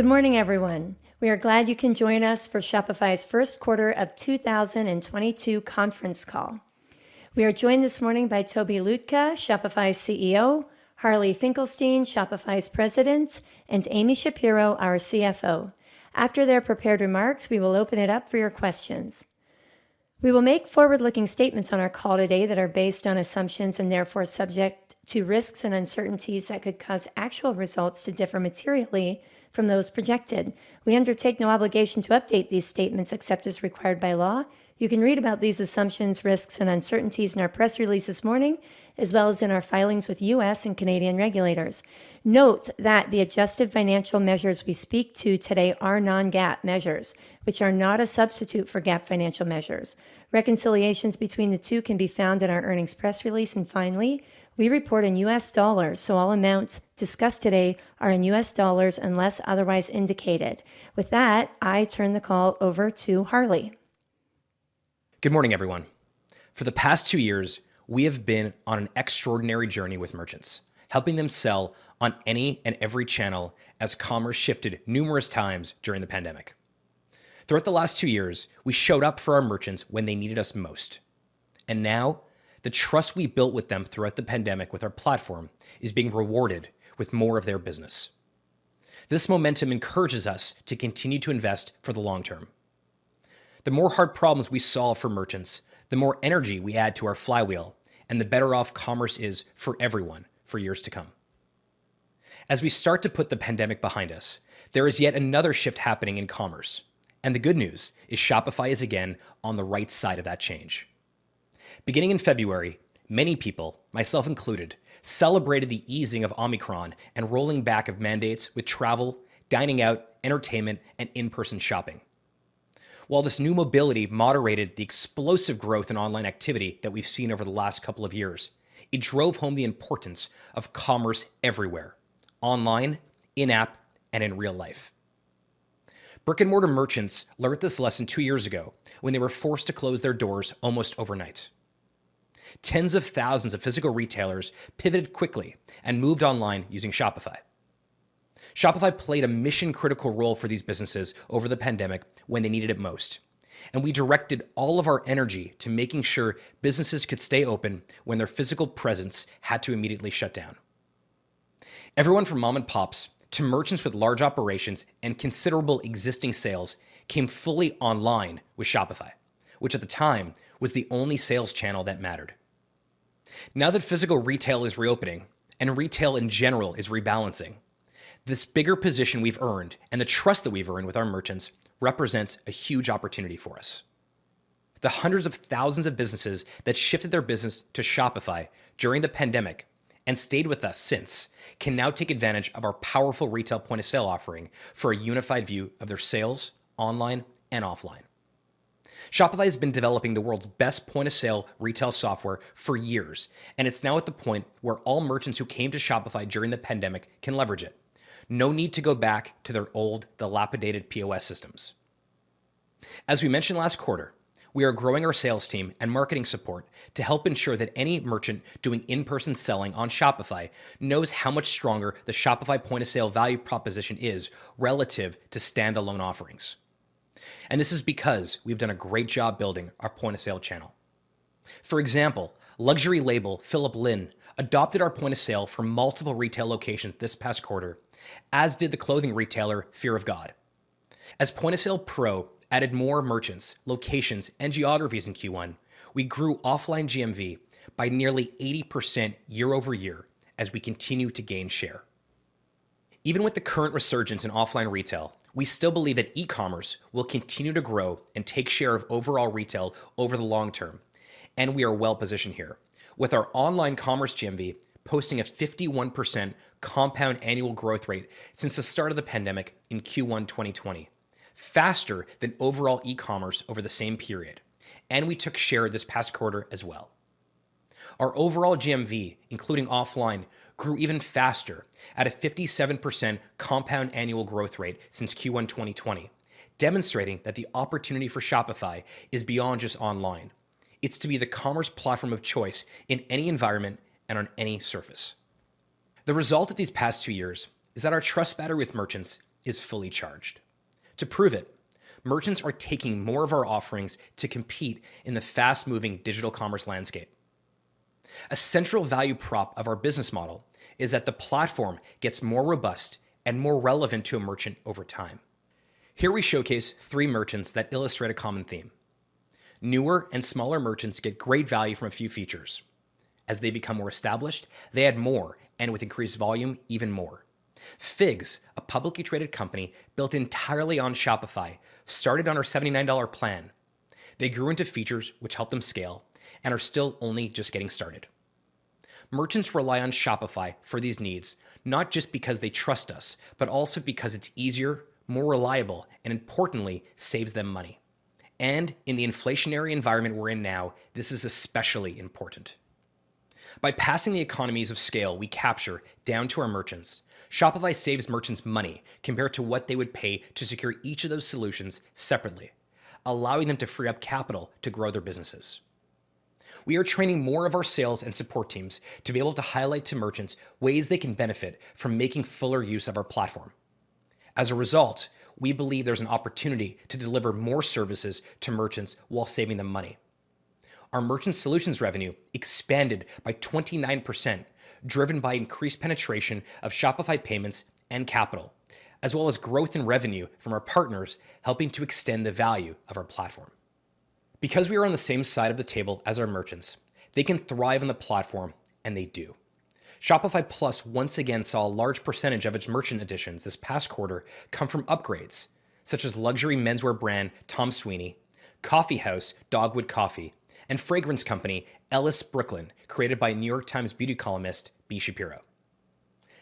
Good morning, everyone. We are glad you can join us for Shopify's first quarter of 2022 conference call. We are joined this morning by Tobi Lütke, Shopify's CEO, Harley Finkelstein, Shopify's President, and Amy Shapero, our CFO. After their prepared remarks, we will open it up for your questions. We will make forward-looking statements on our call today that are based on assumptions and therefore subject to risks and uncertainties that could cause actual results to differ materially from those projected. We undertake no obligation to update these statements except as required by law. You can read about these assumptions, risks, and uncertainties in our press release this morning, as well as in our filings with U.S. and Canadian regulators. Note that the adjusted financial measures we speak to today are non-GAAP measures, which are not a substitute for GAAP financial measures. Reconciliations between the two can be found in our earnings press release. Finally, we report in U.S. dollars, so all amounts discussed today are in U.S. dollars unless otherwise indicated. With that, I turn the call over to Harley. Good morning, everyone. For the past two years, we have been on an extraordinary journey with merchants, helping them sell on any and every channel as commerce shifted numerous times during the pandemic. Throughout the last two years, we showed up for our merchants when they needed us most, and now the trust we built with them throughout the pandemic with our platform is being rewarded with more of their business. This momentum encourages us to continue to invest for the long term. The more hard problems we solve for merchants, the more energy we add to our flywheel, and the better off commerce is for everyone for years to come. As we start to put the pandemic behind us, there is yet another shift happening in commerce, and the good news is Shopify is again on the right side of that change. Beginning in February, many people, myself included, celebrated the easing of Omicron and rolling back of mandates with travel, dining out, entertainment, and in-person shopping. While this new mobility moderated the explosive growth in online activity that we've seen over the last couple of years, it drove home the importance of commerce everywhere, online, in-app, and in real life. Brick-and-mortar merchants learned this lesson two years ago when they were forced to close their doors almost overnight. Tens of thousands of physical retailers pivoted quickly and moved online using Shopify. Shopify played a mission-critical role for these businesses over the pandemic when they needed it most, and we directed all of our energy to making sure businesses could stay open when their physical presence had to immediately shut down. Everyone from mom-and-pops to merchants with large operations and considerable existing sales came fully online with Shopify, which at the time was the only sales channel that mattered. Now that physical retail is reopening and retail, in general, is rebalancing, this bigger position we've earned and the trust that we've earned with our merchants represents a huge opportunity for us. The hundreds of thousands of businesses that shifted their business to Shopify during the pandemic and stayed with us since can now take advantage of our powerful retail point-of-sale offering for a unified view of their sales online and offline. Shopify has been developing the world's best point-of-sale retail software for years, and it's now at the point where all merchants who came to Shopify during the pandemic can leverage it. No need to go back to their old, dilapidated POS systems. As we mentioned last quarter, we are growing our sales team and marketing support to help ensure that any merchant doing in-person selling on Shopify knows how much stronger the Shopify point-of-sale value proposition is relative to standalone offerings. This is because we've done a great job building our point-of-sale channel. For example, luxury label 3.1 Phillip Lim adopted our point-of-sale for multiple retail locations this past quarter, as did the clothing retailer Fear of God. As Point of Sale Pro added more merchants, locations, and geographies in Q1, we grew offline GMV by nearly 80% year-over-year as we continue to gain share. Even with the current resurgence in offline retail, we still believe that e-commerce will continue to grow and take share of overall retail over the long term, and we are well-positioned here with our online commerce GMV posting a 51% compound annual growth rate since the start of the pandemic in Q1 2020, faster than overall e-commerce over the same period. We took share this past quarter as well. Our overall GMV, including offline, grew even faster at a 57% compound annual growth rate since Q1 2020, demonstrating that the opportunity for Shopify is beyond just online. It's to be the commerce platform of choice in any environment and on any surface. The result of these past two years is that our trust battery with merchants is fully charged. To prove it, merchants are taking more of our offerings to compete in the fast-moving digital commerce landscape. A central value prop of our business model is that the platform gets more robust and more relevant to a merchant over time. Here we showcase three merchants that illustrate a common theme. Newer and smaller merchants get great value from a few features. As they become more established, they add more, and with increased volume, even more. Figs, a publicly traded company built entirely on Shopify, started on our $79 plan. They grew into features which helped them scale and are still only just getting started. Merchants rely on Shopify for these needs, not just because they trust us, but also because it's easier, more reliable, and importantly, saves them money. In the inflationary environment we're in now, this is especially important. By passing the economies of scale we capture down to our merchants, Shopify saves merchants money compared to what they would pay to secure each of those solutions separately, allowing them to free up capital to grow their businesses. We are training more of our sales and support teams to be able to highlight to merchants ways they can benefit from making fuller use of our platform. As a result, we believe there's an opportunity to deliver more services to merchants while saving them money. Our merchant solutions revenue expanded by 29%, driven by increased penetration of Shopify Payments and Shopify Capital, as well as growth in revenue from our partners helping to extend the value of our platform. Because we are on the same side of the table as our merchants, they can thrive on the platform and they do. Shopify Plus once again saw a large percentage of its merchant additions this past quarter come from upgrades such as luxury menswear brand Thom Sweeney, coffee house Dogwood Coffee, and fragrance company Ellis Brooklyn, created by New York Times beauty columnist Bee Shapiro.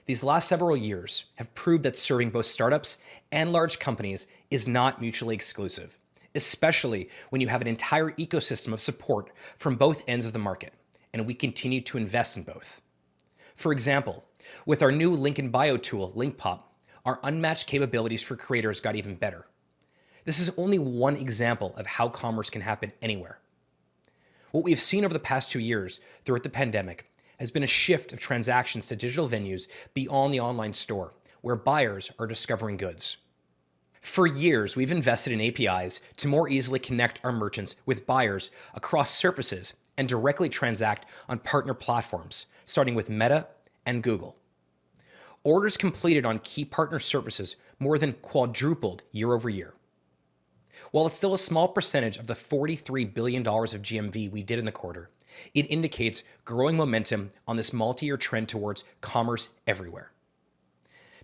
These last several years have proved that serving both startups and large companies is not mutually exclusive, especially when you have an entire ecosystem of support from both ends of the market, and we continue to invest in both. For example, with our new link-in-bio tool, Linkpop, our unmatched capabilities for creators got even better. This is only one example of how commerce can happen anywhere. What we've seen over the past two years throughout the pandemic has been a shift of transactions to digital venues beyond the online store where buyers are discovering goods. For years, we've invested in APIs to more easily connect our merchants with buyers across surfaces and directly transact on partner platforms, starting with Meta and Google. Orders completed on key partner services more than quadrupled year-over-year. While it's still a small percentage of the $43 billion of GMV we did in the quarter, it indicates growing momentum on this multi-year trend towards commerce everywhere.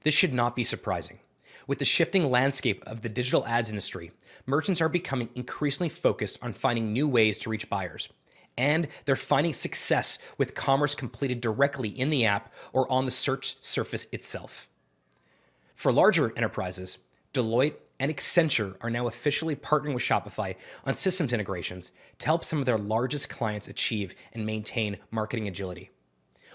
This should not be surprising. With the shifting landscape of the digital ads industry, merchants are becoming increasingly focused on finding new ways to reach buyers, and they're finding success with commerce completed directly in the app or on the search surface itself. For larger enterprises, Deloitte and Accenture are now officially partnering with Shopify on systems integrations to help some of their largest clients achieve and maintain marketing agility.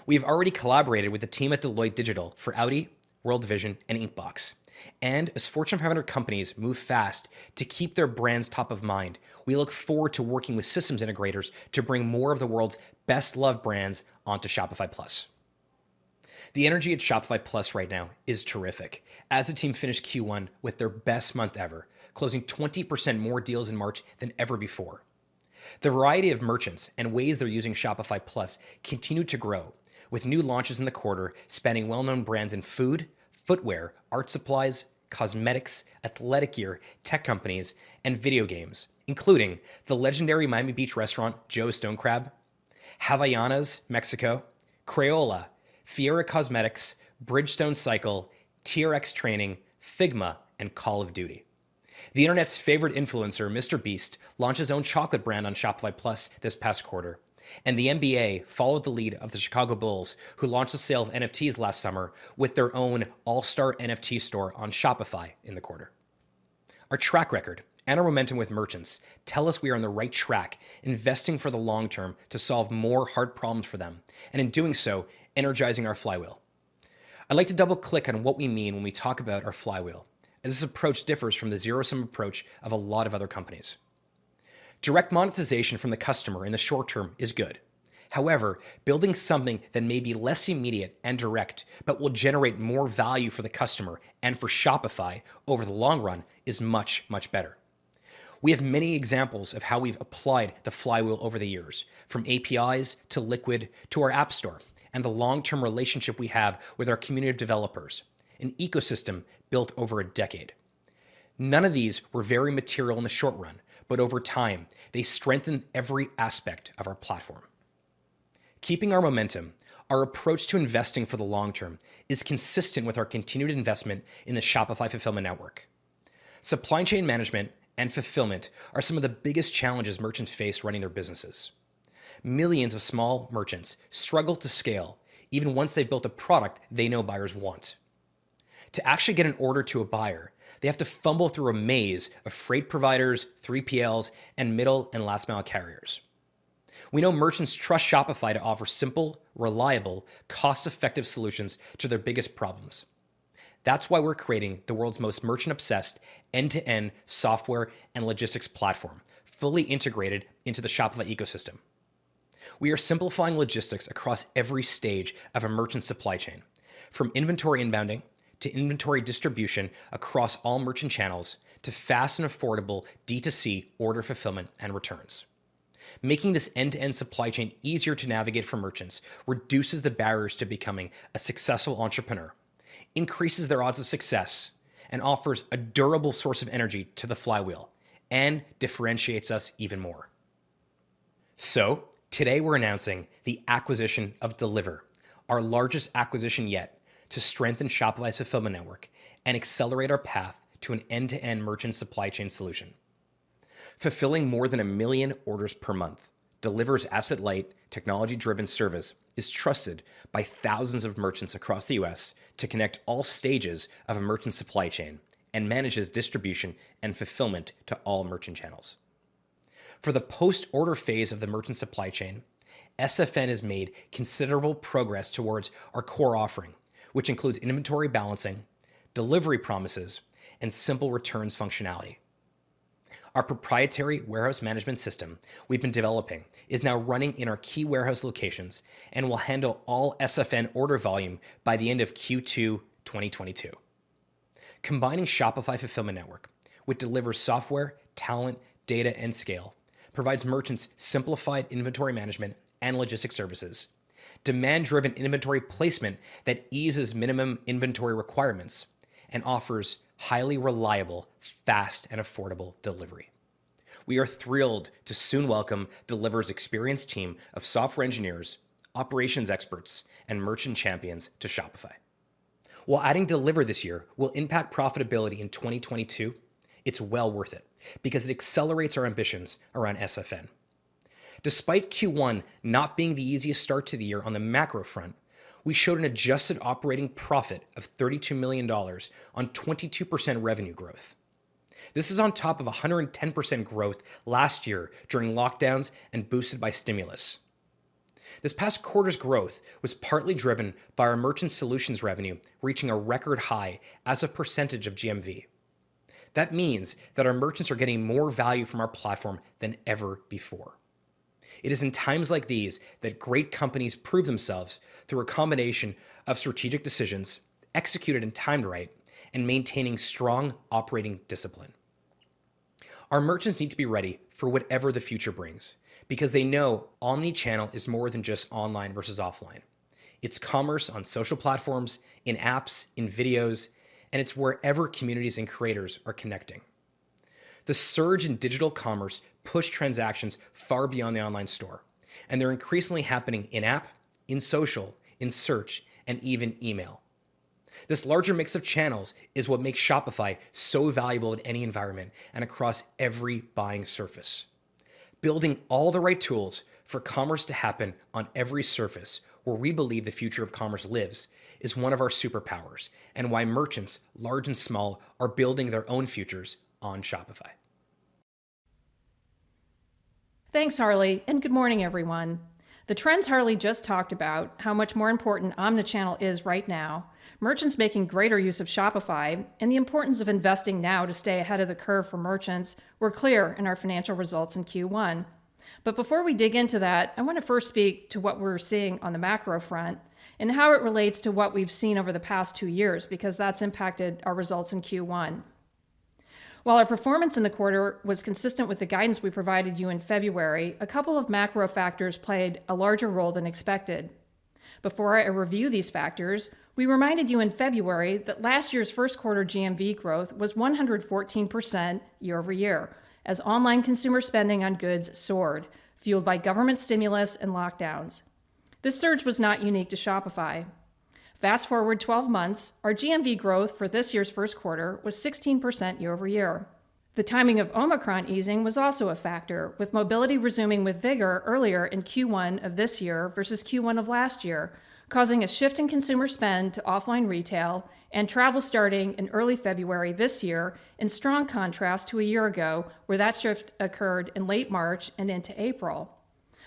We have already collaborated with the team at Deloitte Digital for Audi, World Vision, and Inkbox. As Fortune 500 companies move fast to keep their brands top of mind, we look forward to working with systems integrators to bring more of the world's best-loved brands onto Shopify Plus. The energy at Shopify Plus right now is terrific as the team finished Q1 with their best month ever, closing 20% more deals in March than ever before. The variety of merchants and ways they're using Shopify Plus continue to grow, with new launches in the quarter spanning well-known brands in food, footwear, art supplies, cosmetics, athletic gear, tech companies, and video games, including the legendary Miami Beach restaurant Joe's Stone Crab, Havaianas Mexico, Crayola, Fièra Cosmetics, Bridgestone Cycle, TRX Training, Figma, and Call of Duty. The internet's favorite influencer, MrBeast, launched his own chocolate brand on Shopify Plus this past quarter, and the NBA followed the lead of the Chicago Bulls, who launched the sale of NFTs last summer with their own all-star NFT store on Shopify in the quarter. Our track record and our momentum with merchants tell us we are on the right track, investing for the long term to solve more hard problems for them, and in doing so, energizing our flywheel. I'd like to double-click on what we mean when we talk about our flywheel, as this approach differs from the zero-sum approach of a lot of other companies. Direct monetization from the customer in the short term is good. However, building something that may be less immediate and direct but will generate more value for the customer and for Shopify over the long run is much, much better. We have many examples of how we've applied the flywheel over the years, from APIs to Liquid to our App Store and the long-term relationship we have with our community of developers, an ecosystem built over a decade. None of these were very material in the short run, but over time, they strengthened every aspect of our platform. Keeping our momentum, our approach to investing for the long term is consistent with our continued investment in the Shopify Fulfillment Network. Supply chain management and fulfillment are some of the biggest challenges merchants face running their businesses. Millions of small merchants struggle to scale even once they've built a product they know buyers want. To actually get an order to a buyer, they have to fumble through a maze of freight providers, 3PLs, and middle and last-mile carriers. We know merchants trust Shopify to offer simple, reliable, cost-effective solutions to their biggest problems. That's why we're creating the world's most merchant-obsessed end-to-end software and logistics platform, fully integrated into the Shopify ecosystem. We are simplifying logistics across every stage of a merchant's supply chain, from inventory inbounding to inventory distribution across all merchant channels to fast and affordable D2C order fulfillment and returns. Making this end-to-end supply chain easier to navigate for merchants reduces the barriers to becoming a successful entrepreneur, increases their odds of success, and offers a durable source of energy to the flywheel and differentiates us even more. Today, we're announcing the acquisition of Deliverr, our largest acquisition yet, to strengthen Shopify Fulfillment Network and accelerate our path to an end-to-end merchant supply chain solution. Fulfilling more than 1 million orders per month, Deliverr's asset-light, technology-driven service is trusted by thousands of merchants across the U.S. to connect all stages of a merchant's supply chain and manages distribution and fulfillment to all merchant channels. For the post-order phase of the merchant supply chain, SFN has made considerable progress towards our core offering, which includes inventory balancing, delivery promises, and simple returns functionality. Our proprietary warehouse management system we've been developing is now running in our key warehouse locations and will handle all SFN order volume by the end of Q2 2022. Combining Shopify Fulfillment Network with Deliverr's software, talent, data, and scale provides merchants simplified inventory management and logistics services, demand-driven inventory placement that eases minimum inventory requirements, and offers highly reliable, fast, and affordable delivery. We are thrilled to soon welcome Deliverr's experienced team of software engineers, operations experts, and merchant champions to Shopify. While adding Deliverr this year will impact profitability in 2022, it's well worth it because it accelerates our ambitions around SFN. Despite Q1 not being the easiest start to the year on the macro front, we showed an adjusted operating profit of $32 million on 22% revenue growth. This is on top of 110% growth last year during lockdowns and boosted by stimulus. This past quarter's growth was partly driven by our merchant solutions revenue reaching a record high as a percentage of GMV. That means that our merchants are getting more value from our platform than ever before. It is in times like these that great companies prove themselves through a combination of strategic decisions executed and timed right and maintaining strong operating discipline. Our merchants need to be ready for whatever the future brings because they know omnichannel is more than just online versus offline. It's commerce on social platforms, in apps, in videos, and it's wherever communities and creators are connecting. The surge in digital commerce pushed transactions far beyond the online store, and they're increasingly happening in-app, in social, in search, and even email. This larger mix of channels is what makes Shopify so valuable in any environment and across every buying surface. Building all the right tools for commerce to happen on every surface where we believe the future of commerce lives is one of our superpowers and why merchants, large and small, are building their own futures on Shopify. Thanks, Harley, and good morning, everyone. The trends Harley just talked about, how much more important omnichannel is right now, merchants making greater use of Shopify, and the importance of investing now to stay ahead of the curve for merchants were clear in our financial results in Q1. Before we dig into that, I want to first speak to what we're seeing on the macro front and how it relates to what we've seen over the past two years, because that's impacted our results in Q1. While our performance in the quarter was consistent with the guidance we provided you in February, a couple of macro factors played a larger role than expected. Before I review these factors, we reminded you in February that last year's first quarter GMV growth was 114% year-over-year as online consumer spending on goods soared, fueled by government stimulus and lockdowns. This surge was not unique to Shopify. Fast-forward twelve months, our GMV growth for this year's first quarter was 16% year-over-year. The timing of Omicron easing was also a factor, with mobility resuming with vigor earlier in Q1 of this year versus Q1 of last year, causing a shift in consumer spend to offline retail and travel starting in early February this year, in strong contrast to a year ago, where that shift occurred in late March and into April.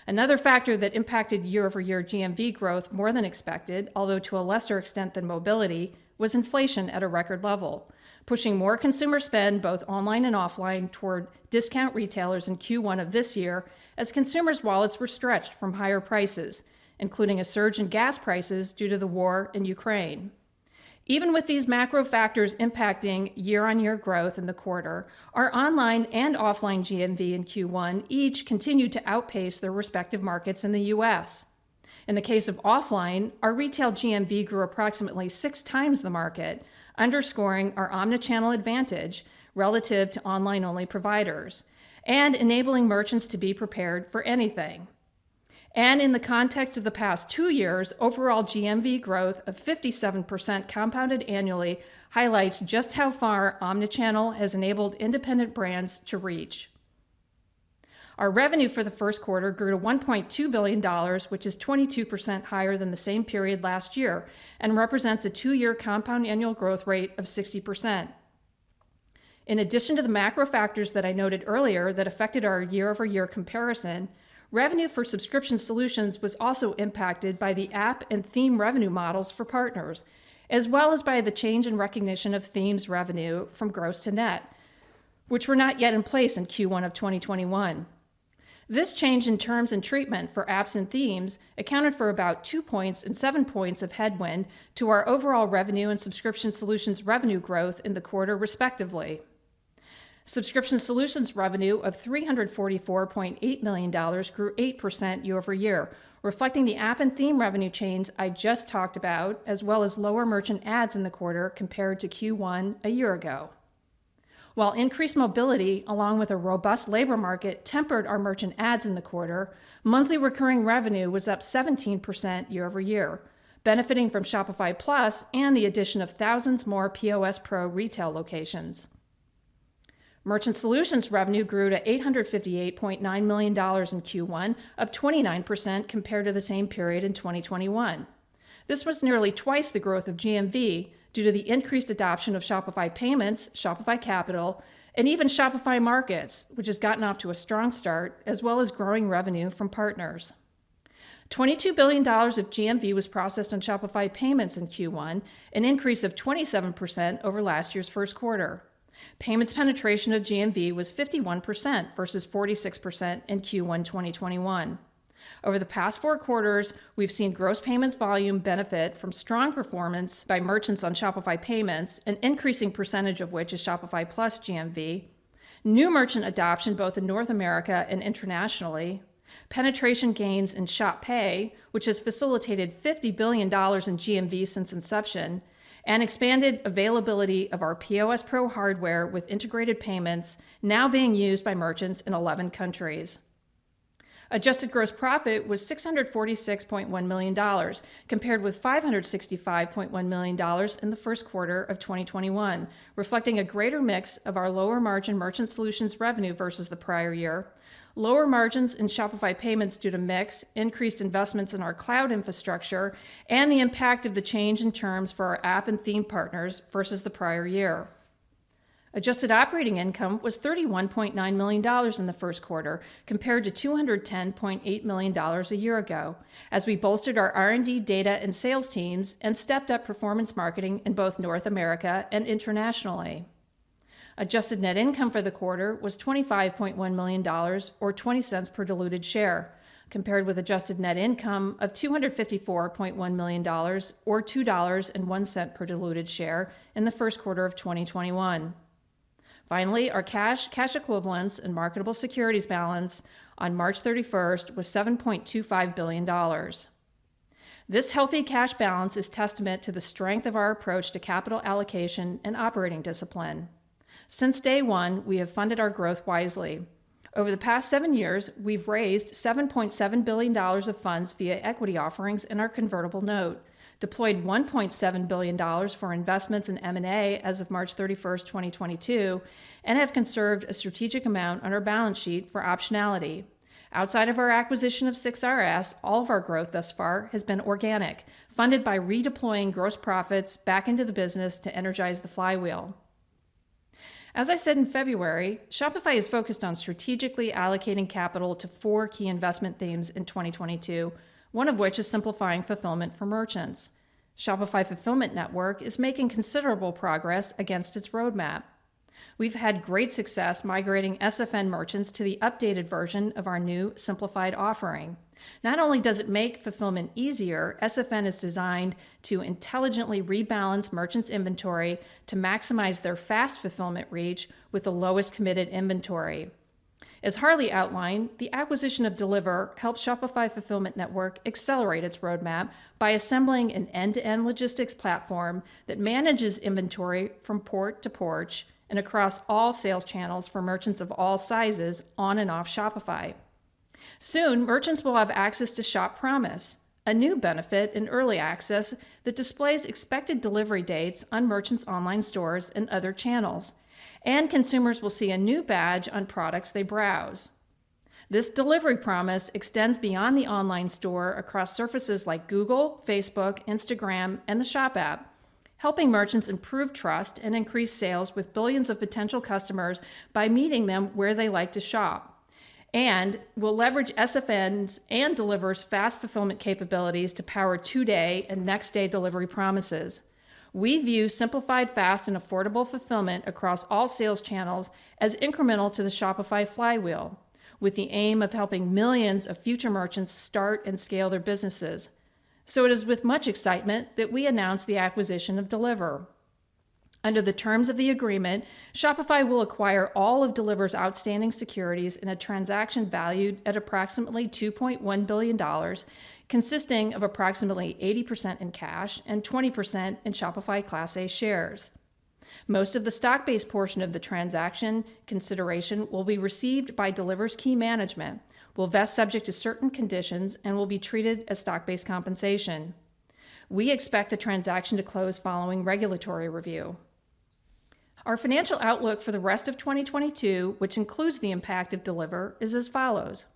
Another factor that impacted year-over-year GMV growth more than expected, although to a lesser extent than mobility, was inflation at a record level, pushing more consumer spend both online and offline toward discount retailers in Q1 of this year as consumers' wallets were stretched from higher prices, including a surge in gas prices due to the war in Ukraine. Even with these macro factors impacting year-over-year growth in the quarter, our online and offline GMV in Q1 each continued to outpace their respective markets in the U.S. In the case of offline, our retail GMV grew approximately six times the market, underscoring our omnichannel advantage relative to online-only providers and enabling merchants to be prepared for anything. In the context of the past two years, overall GMV growth of 57% compounded annually highlights just how far omnichannel has enabled independent brands to reach. Our revenue for the first quarter grew to $1.2 billion, which is 22% higher than the same period last year and represents a two-year compound annual growth rate of 60%. In addition to the macro factors that I noted earlier that affected our year-over-year comparison, revenue for subscription solutions was also impacted by the app and theme revenue models for partners, as well as by the change in recognition of themes revenue from gross to net, which were not yet in place in Q1 of 2021. This change in terms and treatment for apps and themes accounted for about 2 points and 7 points of headwind to our overall revenue and subscription solutions revenue growth in the quarter, respectively. Subscription solutions revenue of $344.8 million grew 8% year-over-year, reflecting the app and theme revenue changes I just talked about, as well as lower merchant ads in the quarter compared to Q1 a year ago. While increased mobility, along with a robust labor market, tempered our merchant ads in the quarter, monthly recurring revenue was up 17% year-over-year, benefiting from Shopify Plus and the addition of thousands more POS Pro retail locations. Merchant Solutions revenue grew to $858.9 million in Q1, up 29% compared to the same period in 2021. This was nearly twice the growth of GMV due to the increased adoption of Shopify Payments, Shopify Capital, and even Shopify Markets, which has gotten off to a strong start, as well as growing revenue from partners. $22 billion of GMV was processed on Shopify Payments in Q1, an increase of 27% over last year's first quarter. Payments penetration of GMV was 51% versus 46% in Q1 2021. Over the past four quarters, we've seen gross payments volume benefit from strong performance by merchants on Shopify Payments, an increasing percentage of which is Shopify Plus GMV, new merchant adoption both in North America and internationally, penetration gains in Shop Pay, which has facilitated $50 billion in GMV since inception, and expanded availability of our POS Pro hardware with integrated payments now being used by merchants in 11 countries. Adjusted gross profit was $646.1 million, compared with $565.1 million in the first quarter of 2021, reflecting a greater mix of our lower-margin merchant solutions revenue versus the prior year, lower margins in Shopify Payments due to mix, increased investments in our cloud infrastructure, and the impact of the change in terms for our app and theme partners versus the prior year. Adjusted operating income was $31.9 million in the first quarter, compared to $210.8 million a year ago, as we bolstered our R&D data and sales teams and stepped up performance marketing in both North America and internationally. Adjusted net income for the quarter was $25.1 million, or $0.20 per diluted share, compared with adjusted net income of $254.1 million, or $2.01 per diluted share in the first quarter of 2021. Finally, our cash equivalents, and marketable securities balance on March 31st was $7.25 billion. This healthy cash balance is testament to the strength of our approach to capital allocation and operating discipline. Since day one, we have funded our growth wisely. Over the past 7 years, we've raised $7.7 billion of funds via equity offerings in our convertible note, deployed $1.7 billion for investments in M&A as of March 31st, 2022, and have conserved a strategic amount on our balance sheet for optionality. Outside of our acquisition of 6 River Systems, all of our growth thus far has been organic, funded by redeploying gross profits back into the business to energize the flywheel. As I said in February, Shopify is focused on strategically allocating capital to four key investment themes in 2022, one of which is simplifying fulfillment for merchants. Shopify Fulfillment Network is making considerable progress against its roadmap. We've had great success migrating SFN merchants to the updated version of our new simplified offering. Not only does it make fulfillment easier, SFN is designed to intelligently rebalance merchants' inventory to maximize their fast fulfillment reach with the lowest committed inventory. As Harley outlined, the acquisition of Deliverr helps Shopify Fulfillment Network accelerate its roadmap by assembling an end-to-end logistics platform that manages inventory from port to porch and across all sales channels for merchants of all sizes on and off Shopify. Soon, merchants will have access to Shop Promise, a new benefit in early access that displays expected delivery dates on merchants' online stores and other channels, and consumers will see a new badge on products they browse. This delivery promise extends beyond the online store across surfaces like Google, Facebook, Instagram, and the Shop app, helping merchants improve trust and increase sales with billions of potential customers by meeting them where they like to shop, and will leverage SFN's and Deliverr's fast fulfillment capabilities to power two-day and next-day delivery promises. We view simplified, fast, and affordable fulfillment across all sales channels as incremental to the Shopify flywheel, with the aim of helping millions of future merchants start and scale their businesses. It is with much excitement that we announce the acquisition of Deliverr. Under the terms of the agreement, Shopify will acquire all of Deliverr's outstanding securities in a transaction valued at approximately $2.1 billion, consisting of approximately 80% in cash and 20% in Shopify Class A shares. Most of the stock-based portion of the transaction consideration will be received by Deliverr's key management, will vest subject to certain conditions, and will be treated as stock-based compensation. We expect the transaction to close following regulatory review. Our financial outlook for the rest of 2022, which includes the impact of Deliverr, is as follows.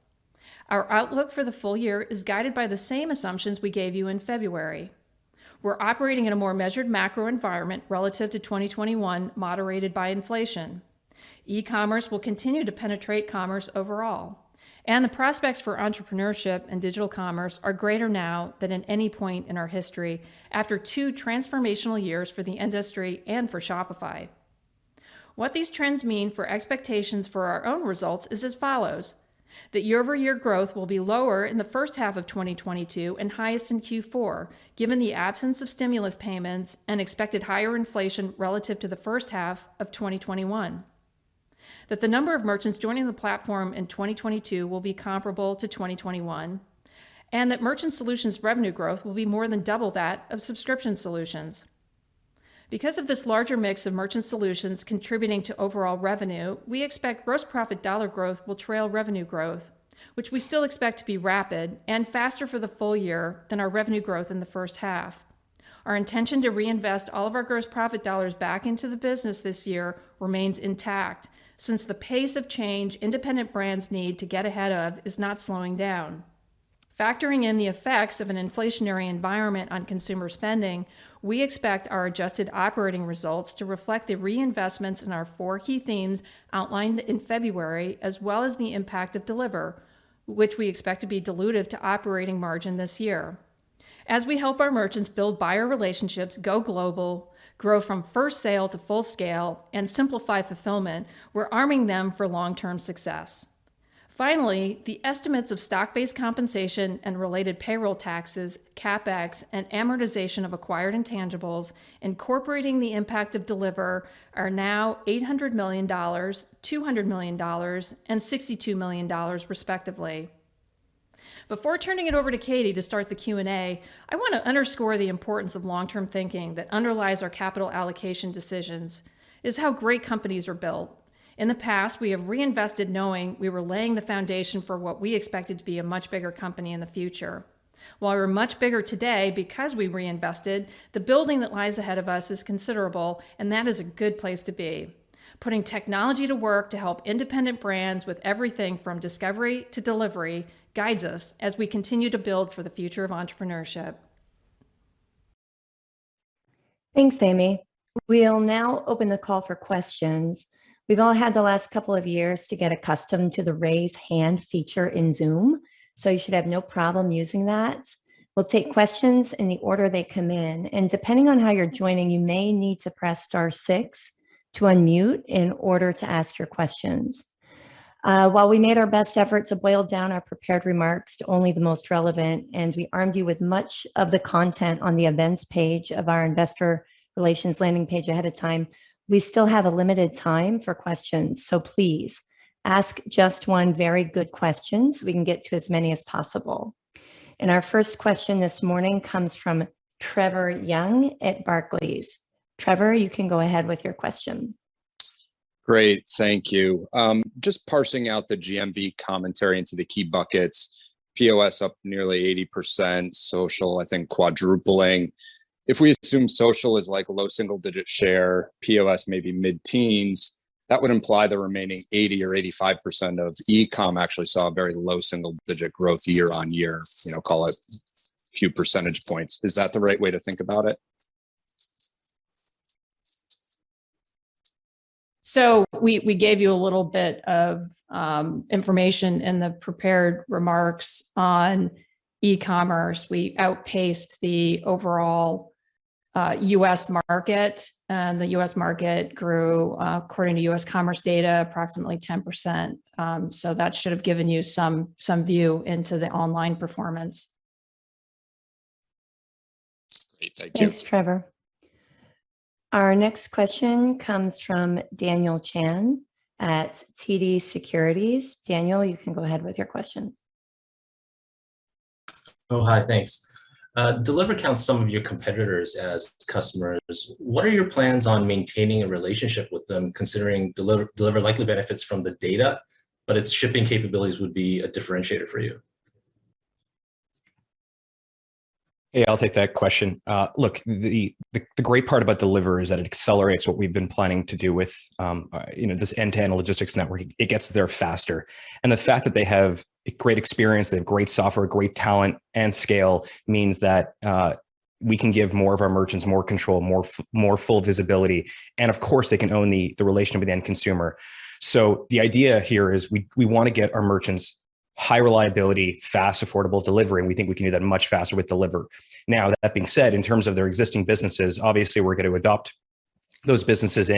Our outlook for the full year is guided by the same assumptions we gave you in February. We're operating in a more measured macro environment relative to 2021, moderated by inflation. E-commerce will continue to penetrate commerce overall, and the prospects for entrepreneurship and digital commerce are greater now than at any point in our history, after two transformational years for the industry and for Shopify. What these trends mean for expectations for our own results is as follows. That year-over-year growth will be lower in the first half of 2022 and highest in Q4, given the absence of stimulus payments and expected higher inflation relative to the first half of 2021. That the number of merchants joining the platform in 2022 will be comparable to 2021, and that merchant solutions revenue growth will be more than double that of subscription solutions. Because of this larger mix of merchant solutions contributing to overall revenue, we expect gross profit dollar growth will trail revenue growth, which we still expect to be rapid and faster for the full year than our revenue growth in the first half. Our intention to reinvest all of our gross profit dollars back into the business this year remains intact, since the pace of change independent brands need to get ahead of is not slowing down. Factoring in the effects of an inflationary environment on consumer spending, we expect our adjusted operating results to reflect the reinvestments in our four key themes outlined in February, as well as the impact of Deliverr, which we expect to be dilutive to operating margin this year. As we help our merchants build buyer relationships, go global, grow from first sale to full scale, and simplify fulfillment, we're arming them for long-term success. Finally, the estimates of stock-based compensation and related payroll taxes, CapEx, and amortization of acquired intangibles incorporating the impact of Deliverr are now $800 million, $200 million, and $62 million respectively. Before turning it over to Katie to start the Q&A, I want to underscore the importance of long-term thinking that underlies our capital allocation decisions is how great companies are built. In the past, we have reinvested knowing we were laying the foundation for what we expected to be a much bigger company in the future. While we're much bigger today because we reinvested, the building that lies ahead of us is considerable, and that is a good place to be. Putting technology to work to help independent brands with everything from discovery to delivery guides us as we continue to build for the future of entrepreneurship. Thanks, Amy. We'll now open the call for questions. We've all had the last couple of years to get accustomed to the raise hand feature in Zoom, so you should have no problem using that. We'll take questions in the order they come in, and depending on how you're joining, you may need to press star 6 to unmute in order to ask your questions. While we made our best effort to boil down our prepared remarks to only the most relevant, and we armed you with much of the content on the events page of our investor relations landing page ahead of time, we still have a limited time for questions. So please ask just one very good question so we can get to as many as possible. Our first question this morning comes from Trevor Young at Barclays. Trevor, you can go ahead with your question. Great. Thank you. Just parsing out the GMV commentary into the key buckets, POS up nearly 80%, social, I think, quadrupling. If we assume social is like a low single-digit share, POS maybe mid-teens, that would imply the remaining 80 or 85% of eCom actually saw a very low single-digit growth year-on-year, you know, call it a few percentage points. Is that the right way to think about it? We gave you a little bit of information in the prepared remarks on e-commerce. We outpaced the overall U.S. market, and the U.S. market grew according to U.S. commerce data approximately 10%. That should have given you some view into the online performance. Great. Thank you. Thanks, Trevor. Our next question comes from Daniel Chan at TD Securities. Daniel, you can go ahead with your question. Oh, hi. Thanks. Deliverr counts some of your competitors as customers. What are your plans on maintaining a relationship with them, considering Deliverr likely benefits from the data, but its shipping capabilities would be a differentiator for you? Yeah, I'll take that question. Look, the great part about Deliverr is that it accelerates what we've been planning to do with you know, this end-to-end logistics network. It gets there faster. The fact that they have great experience, they have great software, great talent, and scale means that we can give more of our merchants more control, more full visibility. Of course, they can own the relationship with the end consumer. The idea here is we want to get our merchants high reliability, fast, affordable delivery, and we think we can do that much faster with Deliverr. Now, that being said, in terms of their existing businesses, obviously, we're going to adopt those businesses,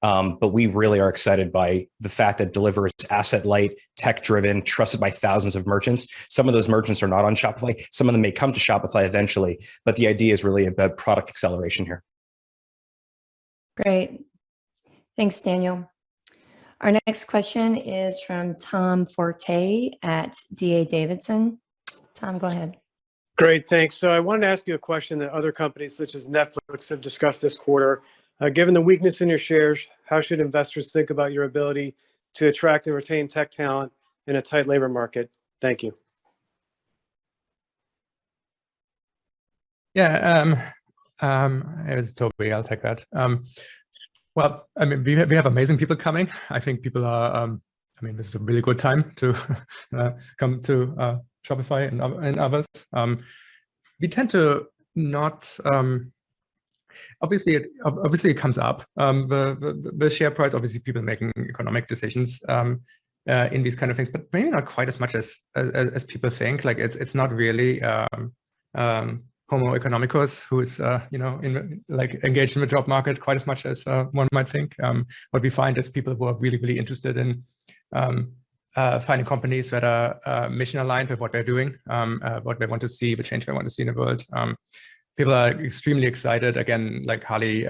but we really are excited by the fact that Deliverr is asset light, tech driven, trusted by thousands of merchants. Some of those merchants are not on Shopify. Some of them may come to Shopify eventually, but the idea is really about product acceleration here. Great. Thanks, Daniel. Our next question is from Tom Forte at D.A. Davidson. Tom, go ahead. Great. Thanks. I wanted to ask you a question that other companies such as Netflix have discussed this quarter. Given the weakness in your shares, how should investors think about your ability to attract and retain tech talent in a tight labor market? Thank you. Yeah. It was totally, I'll take that. Well, I mean, we have amazing people coming. I think people are. I mean, this is a really good time to come to Shopify and others. We tend to not. Obviously, it comes up, the share price, obviously, people making economic decisions in these kind of things, but maybe not quite as much as people think. Like it's not really Homo economicus who is, you know, in, like, engaged in the job market quite as much as one might think. What we find is people who are really, really interested in finding companies that are mission aligned with what they're doing, what they want to see, the change they want to see in the world. People are extremely excited, again, like Harley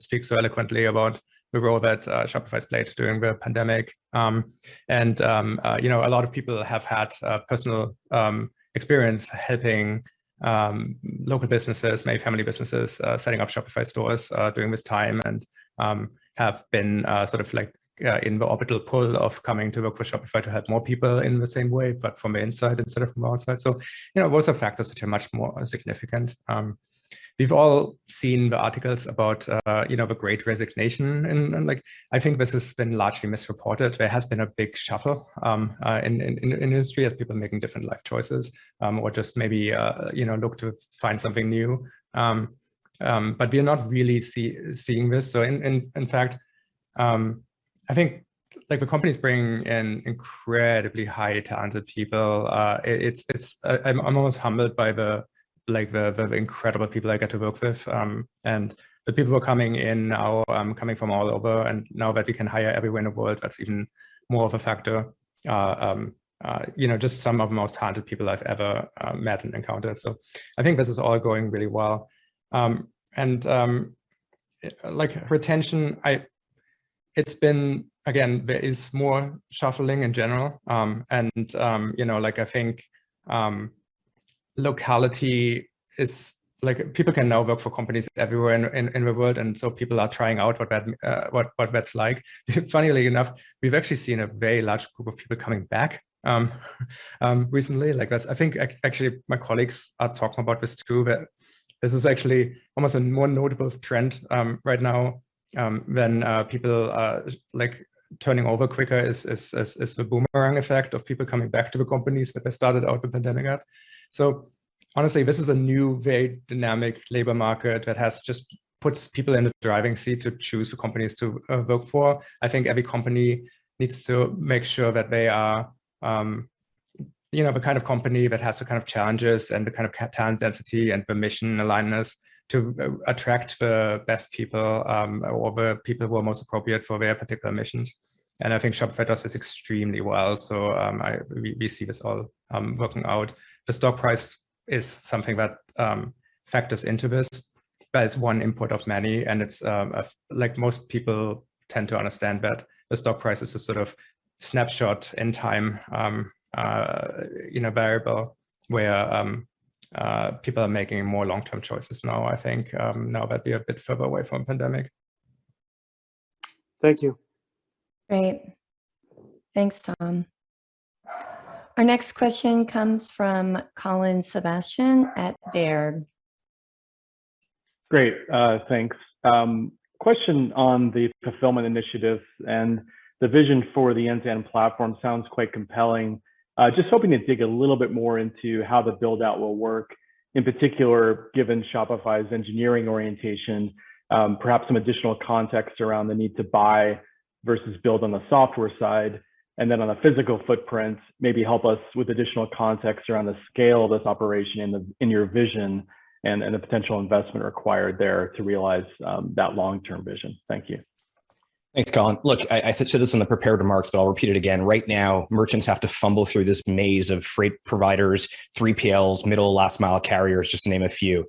speaks so eloquently about the role that Shopify has played during the pandemic. You know, a lot of people have had personal experience helping local businesses, maybe family businesses, setting up Shopify stores during this time and have been sort of like in the orbital pull of coming to work for Shopify to help more people in the same way, but from the inside instead of from the outside. You know, those are factors which are much more significant. We've all seen the articles about, you know, the Great Resignation and like, I think this has been largely misreported. There has been a big shuffle in industry as people are making different life choices, or just maybe, you know, looking to find something new. We are not really seeing this. In fact, I think like the company's bringing in incredibly highly talented people. I'm almost humbled by the, like, the incredible people I get to work with. The people who are coming in now, coming from all over, and now that we can hire everywhere in the world, that's even more of a factor. You know, just some of the most talented people I've ever met and encountered, so I think this is all going really well. Like retention, it's been again, there is more shuffling in general. You know, like, I think locality is like people can now work for companies everywhere in the world, and so people are trying out what that's like. Funnily enough, we've actually seen a very large group of people coming back recently. Like that's, I think actually, my colleagues are talking about this too, that this is actually almost a more notable trend right now than people like turning over quicker, is the boomerang effect of people coming back to the companies that they started out the pandemic at. Honestly, this is a new, very dynamic labor market that has just puts people in the driving seat to choose the companies to work for. I think every company needs to make sure that they are, you know, the kind of company that has the kind of challenges and the kind of talent density and the mission alignment to attract the best people, or the people who are most appropriate for their particular missions, and I think Shopify does this extremely well. We see this all working out. The stock price is something that factors into this, but it's one input of many. It's like most people tend to understand that the stock price is a sort of snapshot in time, you know, variable where people are making more long-term choices now, I think, now that they're a bit further away from pandemic. Thank you. Great. Thanks, Tom. Our next question comes from Colin Sebastian at Baird. Question on the fulfillment initiative and the vision for the end-to-end platform. Sounds quite compelling. Just hoping to dig a little bit more into how the build-out will work, in particular, given Shopify's engineering orientation, perhaps some additional context around the need to buy versus build on the software side. On the physical footprint, maybe help us with additional context around the scale of this operation in your vision and the potential investment required there to realize that long-term vision. Thank you. Thanks, Colin. Look, I said this in the prepared remarks, but I'll repeat it again. Right now, merchants have to fumble through this maze of freight providers, 3PLs, middle-mile, last-mile carriers, just to name a few.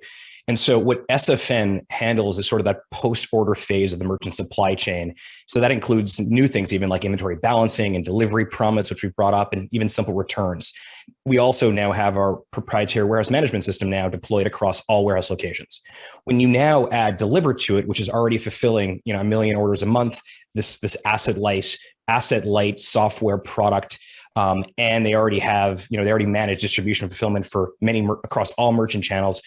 What SFN handles is sort of that post-order phase of the merchant supply chain, so that includes new things, even like inventory balancing and delivery promise, which we've brought up, and even simple returns. We also now have our proprietary warehouse management system now deployed across all warehouse locations. When you now add Deliverr to it, which is already fulfilling, you know, 1 million orders a month, this asset-light software product, and they already manage distribution fulfillment for many merchants across all merchant channels.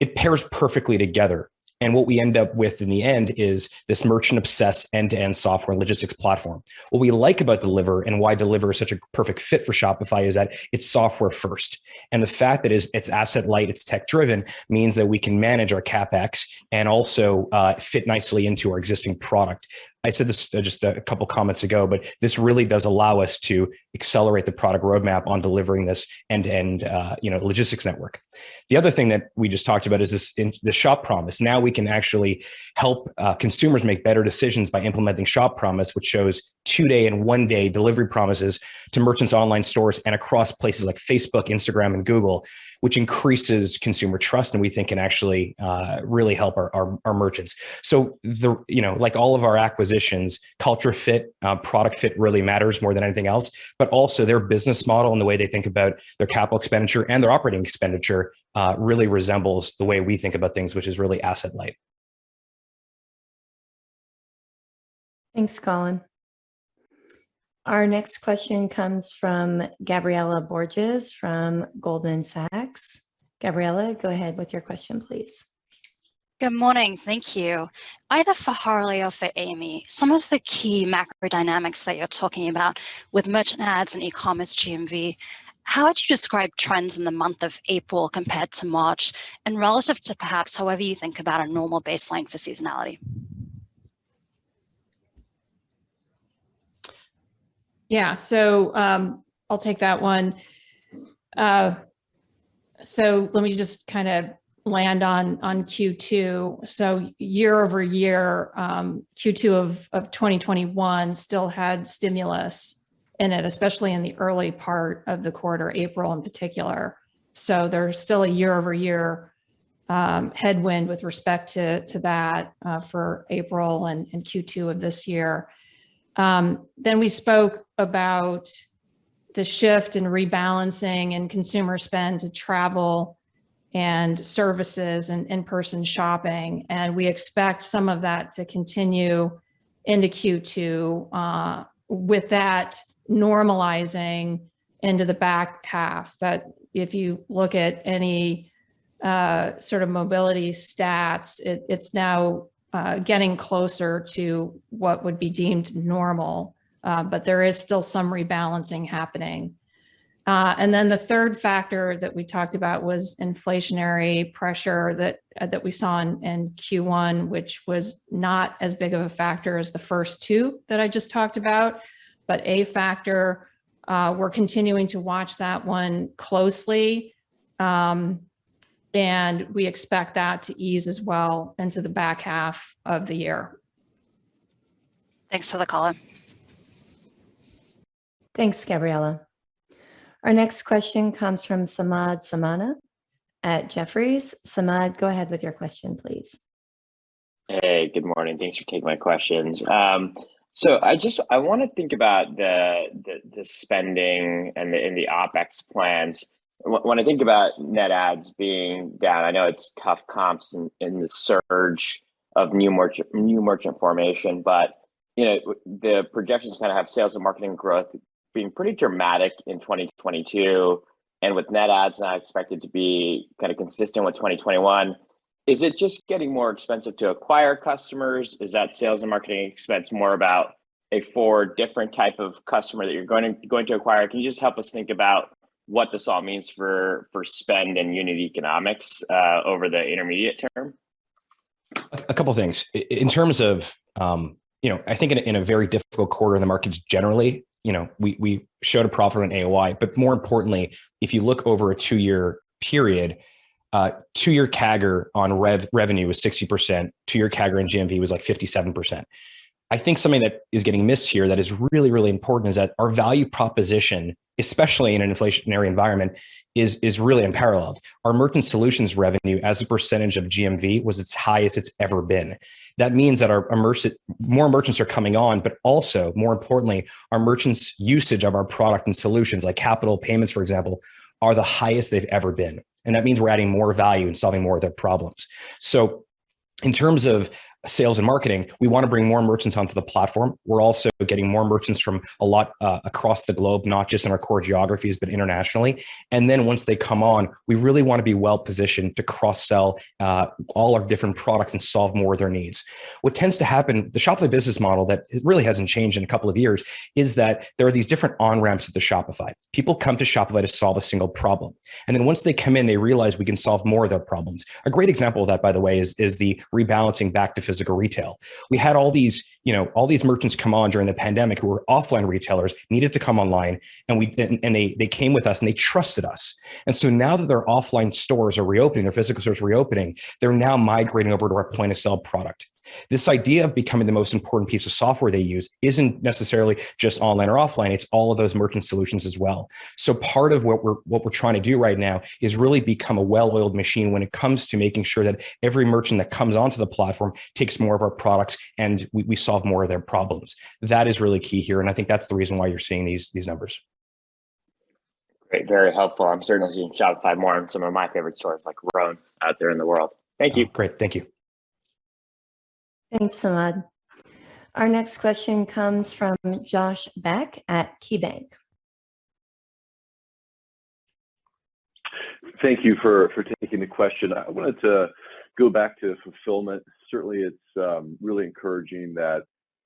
It pairs perfectly together, and what we end up with in the end is this merchant-obsessed end-to-end software logistics platform. What we like about Deliverr and why Deliverr is such a perfect fit for Shopify is that it's software first, and the fact that it's asset light, it's tech driven, means that we can manage our CapEx and also fit nicely into our existing product. I said this just a couple comments ago, but this really does allow us to accelerate the product roadmap on delivering this end-to-end logistics network. The other thing that we just talked about is this, in the Shop Promise. Now we can actually help consumers make better decisions by implementing Shop Promise, which shows 2-day and 1-day delivery promises to merchants' online stores and across places like Facebook, Instagram, and Google, which increases consumer trust and we think can actually really help our merchants. You know, like all of our acquisitions, culture fit, product fit really matters more than anything else. Also their business model and the way they think about their capital expenditure and their operating expenditure really resembles the way we think about things, which is really asset light. Thanks, Colin. Our next question comes from Gabriela Borges from Goldman Sachs. Gabriela, go ahead with your question, please. Good morning. Thank you. Either for Harley or for Amy, some of the key macro dynamics that you're talking about with merchant ads and e-commerce GMV, how would you describe trends in the month of April compared to March and relative to perhaps however you think about a normal baseline for seasonality? Yeah. I'll take that one. Let me just kinda land on Q2. Year-over-year, Q2 of 2021 still had stimulus in it, especially in the early part of the quarter, April in particular. There's still a year-over-year headwind with respect to that for April and Q2 of this year. We spoke about the shift in rebalancing in consumer spend to travel and services and in-person shopping, and we expect some of that to continue into Q2 with that normalizing into the back half. That, if you look at any sort of mobility stats, it's now getting closer to what would be deemed normal. There is still some rebalancing happening. The third factor that we talked about was inflationary pressure that we saw in Q1, which was not as big of a factor as the first two that I just talked about, but a factor. We're continuing to watch that one closely, and we expect that to ease as well into the back half of the year. Thanks for the color. Thanks, Gabriela. Our next question comes from Samad Samana at Jefferies. Samad, go ahead with your question, please. Hey, good morning. Thanks for taking my questions. So I just wanna think about the spending and the OpEx plans. When I think about net adds being down, I know it's tough comps in the surge of new merchant formation, but you know the projections kinda have sales and marketing growth being pretty dramatic in 2022, and with net adds not expected to be kinda consistent with 2021. Is it just getting more expensive to acquire customers? Is that sales and marketing expense more about a far different type of customer that you're going to acquire? Can you just help us think about what this all means for spend and unit economics over the intermediate term? A couple things. In terms of, you know, I think in a very difficult quarter in the markets generally, we showed a profit on AOI, but more importantly, if you look over a two-year period, two-year CAGR on revenue was 60%, two-year CAGR in GMV was, like, 57%. I think something that is getting missed here that is really, really important is that our value proposition, especially in an inflationary environment, is really unparalleled. Our merchant solutions revenue as a percentage of GMV was as high as it's ever been. That means that more merchants are coming on, but also, more importantly, our merchants' usage of our product and solutions, like Capital payments, for example, are the highest they've ever been, and that means we're adding more value and solving more of their problems. In terms of sales and marketing, we wanna bring more merchants onto the platform. We're also getting more merchants from a lot across the globe, not just in our core geographies, but internationally. Then once they come on, we really wanna be well-positioned to cross-sell all our different products and solve more of their needs. What tends to happen, the Shopify business model that really hasn't changed in a couple of years, is that there are these different on-ramps to the Shopify. People come to Shopify to solve a single problem, and then once they come in, they realize we can solve more of their problems. A great example of that, by the way, is the rebalancing back to physical retail. We had all these, you know, all these merchants come on during the pandemic who were offline retailers, needed to come online, and they came with us, and they trusted us. Now that their offline stores are reopening, their physical stores are reopening, they're now migrating over to our point-of-sale product. This idea of becoming the most important piece of software they use isn't necessarily just online or offline, it's all of those merchant solutions as well. Part of what we're trying to do right now is really become a well-oiled machine when it comes to making sure that every merchant that comes onto the platform takes more of our products, and we solve more of their problems. That is really key here, and I think that's the reason why you're seeing these numbers. Great. Very helpful. I'm certain I'll be using Shopify more on some of my favorite stores like Rhone out there in the world. Thank you. Great. Thank you. Thanks, Samad. Our next question comes from Josh Beck at KeyBank. Thank you for taking the question. I wanted to go back to fulfillment. Certainly it's really encouraging that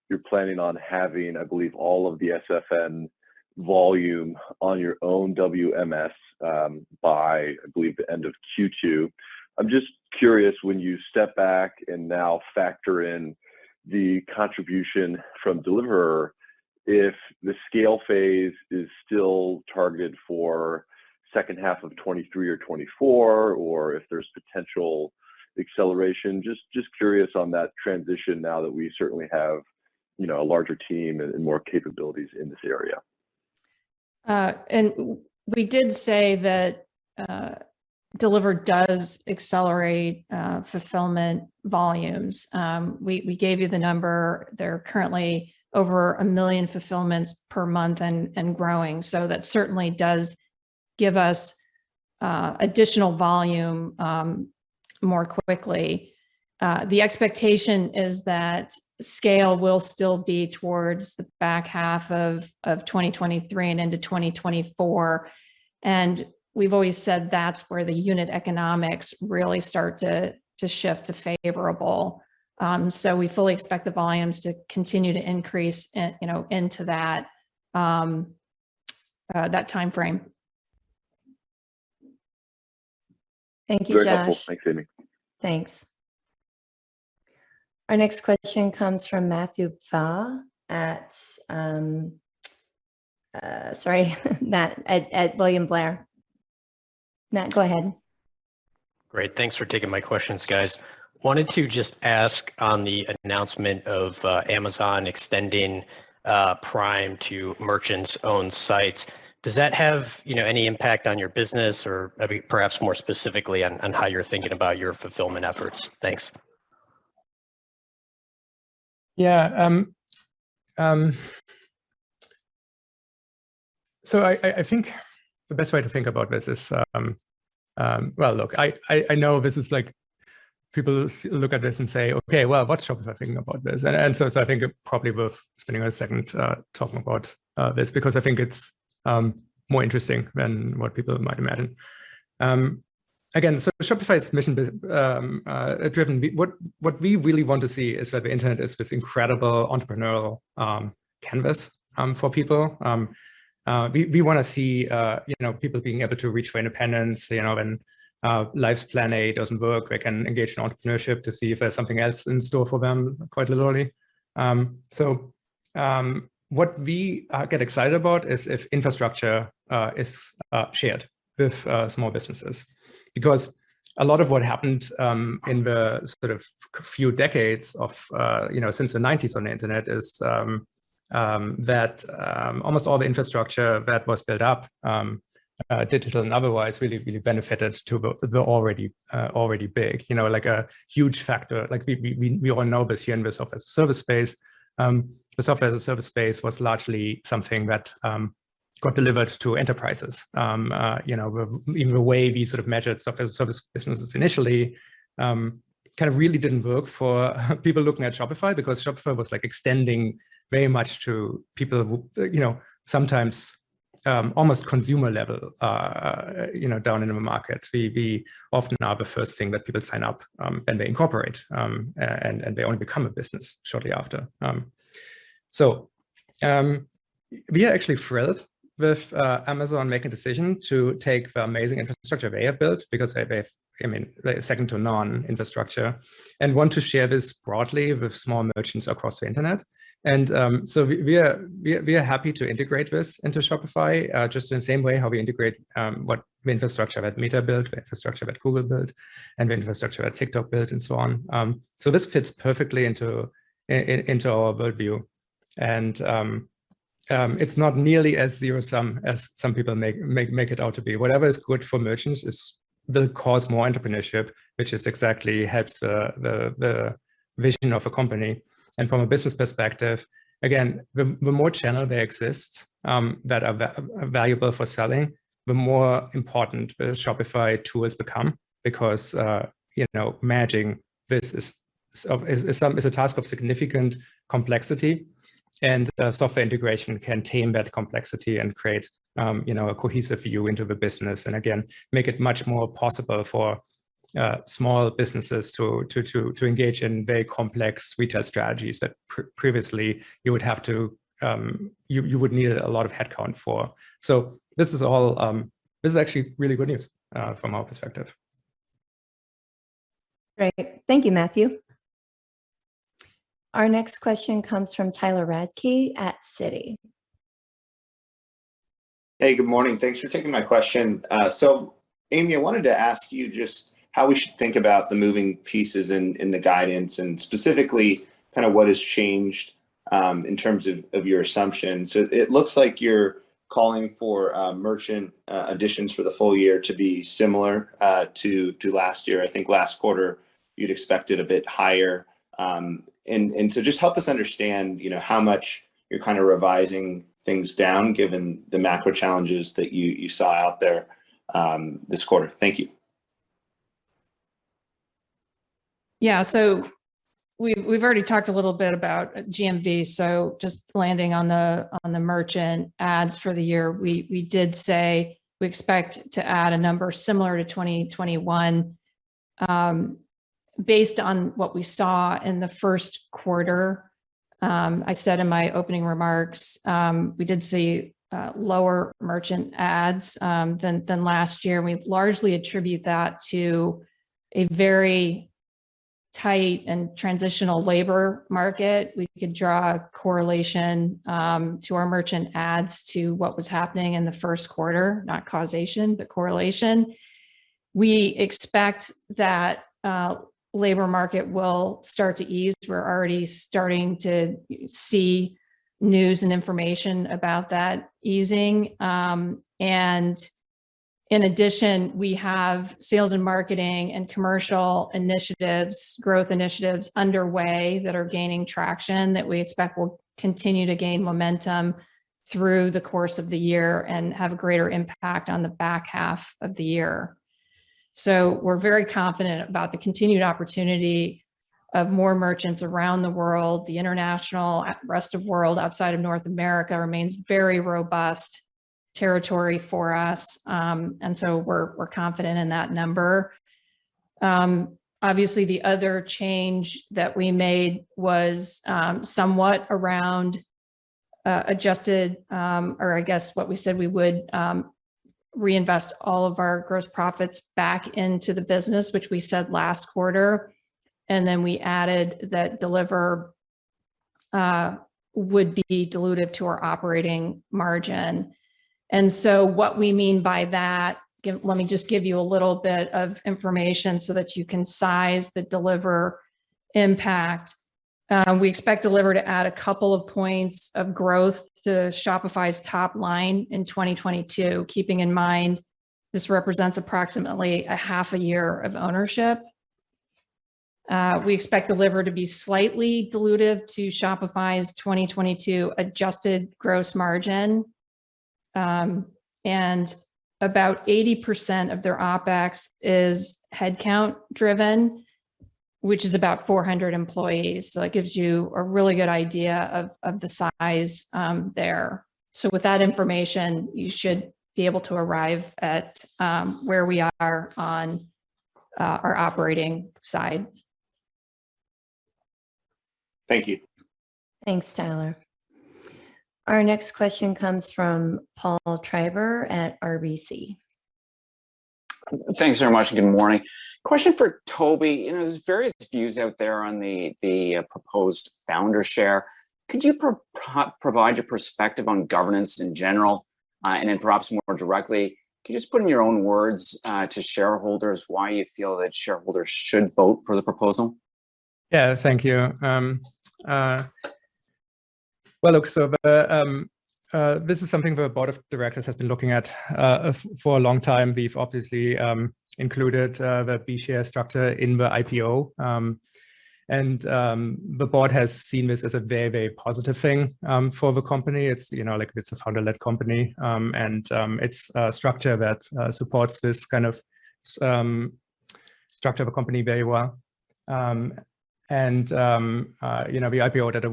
you're planning on having, I believe, all of the SFN volume on your own WMS, by, I believe, the end of Q2. I'm just curious, when you step back and now factor in the contribution from Deliverr, if the scale phase is still targeted for second half of 2023 or 2024, or if there's potential acceleration. Just curious on that transition now that we certainly have, you know, a larger team and more capabilities in this area. We did say that Deliverr does accelerate fulfillment volumes. We gave you the number. There are currently over 1 million fulfillments per month and growing, so that certainly does give us additional volume more quickly. The expectation is that scale will still be towards the back half of 2023 and into 2024, and we've always said that's where the unit economics really start to shift to favorable. We fully expect the volumes to continue to increase in, you know, into that timeframe. Very helpful. Thank you, Josh. Thanks, Amy. Thanks. Our next question comes from Matthew Pfau at William Blair. Matt, go ahead. Great. Thanks for taking my questions, guys. Wanted to just ask on the announcement of Amazon extending Prime to merchants' own sites. Does that have, you know, any impact on your business or maybe perhaps more specifically on how you're thinking about your fulfillment efforts? Thanks. I think the best way to think about this is, well, look, I know this is like, people look at this and say, "Okay, well, what's Shopify thinking about this?" I think it's probably worth spending a second talking about this, because I think it's more interesting than what people might imagine. Shopify's mission-driven, what we really want to see is that the internet is this incredible entrepreneurial canvas for people. We wanna see, you know, people being able to reach for independence. You know, when life's plan A doesn't work, they can engage in entrepreneurship to see if there's something else in store for them, quite literally. What we get excited about is if infrastructure is shared with small businesses. A lot of what happened in the sort of few decades, you know, since the 1990s on the internet is that almost all the infrastructure that was built up, digital and otherwise, really benefited the already big. You know, like a huge factor, like, we all know this here in the software as a service space, the software as a service space was largely something that got delivered to enterprises. You know, in the way we sort of measured software as a service businesses initially, it kind of really didn't work for people looking at Shopify, because Shopify was, like, extending very much to people who, you know, sometimes almost consumer level, you know, down in the markets. We often are the first thing that people sign up when they incorporate, and they only become a business shortly after. We are actually thrilled with Amazon making a decision to take the amazing infrastructure they have built, because they've, I mean, like second to none infrastructure, and want to share this broadly with small merchants across the internet. We are happy to integrate this into Shopify, just in the same way how we integrate what infrastructure that Meta built, the infrastructure that Google built, and the infrastructure that TikTok built, and so on. This fits perfectly into our worldview. It's not nearly as zero-sum as some people make it out to be. Whatever's good for merchants will cause more entrepreneurship, which just exactly helps the vision of a company. From a business perspective, again, the more channels there exist that are valuable for selling, the more important the Shopify tool has become because, you know, managing this is a task of significant complexity, and software integration can tame that complexity and create a cohesive view into the business. Again, make it much more possible for small businesses to engage in very complex retail strategies that previously you would have to, you would need a lot of headcount for. This is all actually really good news from our perspective. Great. Thank you, Matthew. Our next question comes from Tyler Radke at Citi. Hey, good morning. Thanks for taking my question. Amy, I wanted to ask you just how we should think about the moving pieces in the guidance, and specifically kinda what has changed in terms of your assumptions. It looks like you're calling for merchant additions for the full year to be similar to last year. I think last quarter you'd expected a bit higher. Just help us understand, you know, how much you're kinda revising things down given the macro challenges that you saw out there this quarter. Thank you. Yeah. We've already talked a little bit about GMV, so just landing on the merchant adds for the year, we did say we expect to add a number similar to 2021, based on what we saw in the first quarter. I said in my opening remarks, we did see lower merchant adds than last year, and we largely attribute that to a very tight and transitional labor market. We could draw a correlation to our merchant adds to what was happening in the first quarter, not causation, but correlation. We expect that labor market will start to ease. We're already starting to see news and information about that easing. In addition, we have sales and marketing and commercial initiatives, growth initiatives underway that are gaining traction that we expect will continue to gain momentum through the course of the year and have a greater impact on the back half of the year. We're very confident about the continued opportunity of more merchants around the world. The international, rest of world outside of North America remains very robust territory for us. We're confident in that number. Obviously the other change that we made was, somewhat around, adjusted, or I guess what we said we would, reinvest all of our gross profits back into the business, which we said last quarter, and then we added that Deliverr would be dilutive to our operating margin. What we mean by that, let me just give you a little bit of information so that you can size the Deliverr impact. We expect Deliverr to add a couple of points of growth to Shopify's top line in 2022, keeping in mind this represents approximately a half a year of ownership. We expect Deliverr to be slightly dilutive to Shopify's 2022 adjusted gross margin. About 80% of their OPEX is headcount driven which is about 400 employees. That gives you a really good idea of the size there. With that information, you should be able to arrive at where we are on our operating side. Thank you. Thanks, Tyler. Our next question comes from Paul Treiber at RBC. Thanks very much, and good morning. Question for Tobi. You know, there's various views out there on the proposed founder share. Could you provide your perspective on governance in general? Perhaps more directly, can you just put in your own words to shareholders why you feel that shareholders should vote for the proposal? Yeah, thank you. This is something the board of directors has been looking at for a long time. We've obviously included the B-share structure in the IPO, and the board has seen this as a very positive thing for the company. It's, you know, like, it's a founder-led company, and it's a structure that supports this kind of structure of a company very well. You know, the IPO did a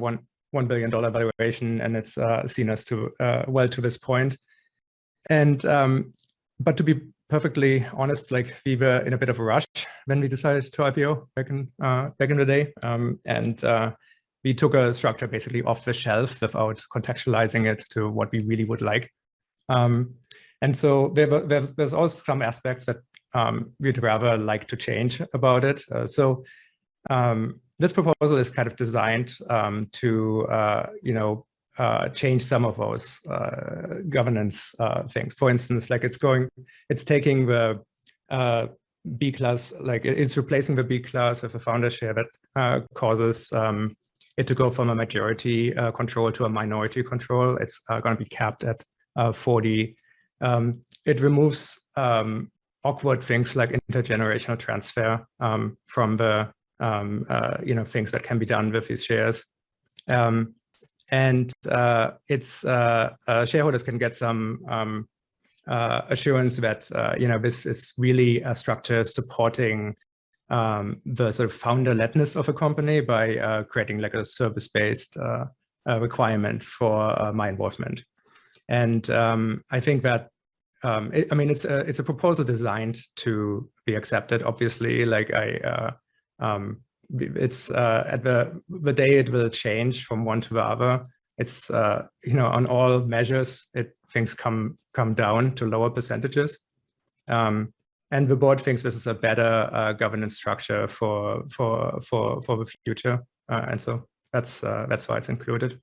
$1 billion valuation, and it's seen us through well to this point. To be perfectly honest, like, we were in a bit of a rush when we decided to IPO back in the day, and we took a structure basically off the shelf without contextualizing it to what we really would like. There are some aspects that we'd rather like to change about it. This proposal is kind of designed to, you know, change some of those governance things. For instance, like it's taking the Class B, like it's replacing the Class B of a founder share that causes it to go from a majority control to a minority control. It's gonna be capped at 40. It removes awkward things like intergenerational transfer from the, you know, things that can be done with these shares. Its shareholders can get some assurance that, you know, this is really a structure supporting the sort of founder-led-ness of a company by creating like a service-based requirement for my involvement. I think that, I mean, it's a proposal designed to be accepted, obviously. Like, at the end of the day, it will change from one to the other. It's, you know, on all measures, things come down to lower percentages. The board thinks this is a better governance structure for the future. That's why it's included.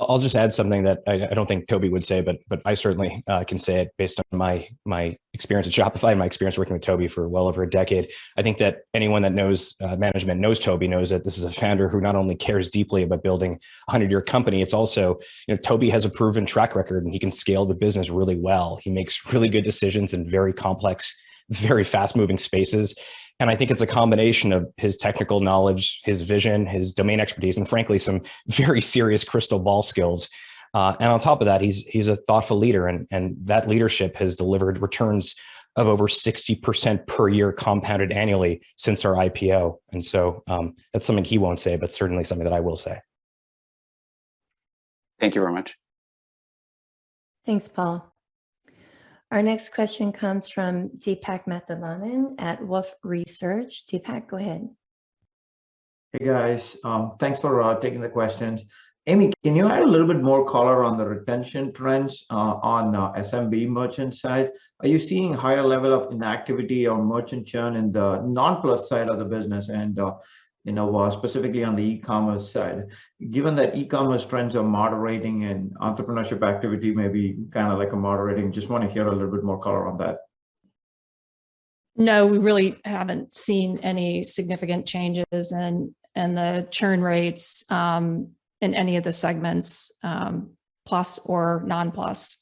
I'll just add something that I don't think Tobi would say, but I certainly can say it based on my experience at Shopify and my experience working with Tobi for well over a decade. I think that anyone that knows management knows Tobi knows that this is a founder who not only cares deeply about building a hundred-year company, it's also, you know, Tobi has a proven track record, and he can scale the business really well. He makes really good decisions in very complex, very fast-moving spaces, and I think it's a combination of his technical knowledge, his vision, his domain expertise, and frankly, some very serious crystal ball skills. On top of that, he's a thoughtful leader and that leadership has delivered returns of over 60% per year compounded annually since our IPO. That's something he won't say, but certainly something that I will say. Thank you very much. Thanks, Paul. Our next question comes from Deepak Mathivanan at Wolfe Research. Deepak, go ahead. Hey, guys. Thanks for taking the questions. Amy, can you add a little bit more color on the retention trends on SMB merchant side? Are you seeing higher level of inactivity or merchant churn in the non-plus side of the business and you know specifically on the e-commerce side? Given that e-commerce trends are moderating and entrepreneurship activity may be kind of like moderating, just wanna hear a little bit more color on that. No, we really haven't seen any significant changes in the churn rates, in any of the segments, plus or non-plus.